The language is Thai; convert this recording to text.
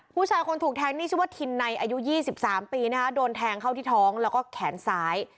ผู้ชายที่ทุกแทงที่ชื่อว่าทินนะร์อายุ๒๓ปีโดนแทงเข้าที่ท้องและแขนซ้าย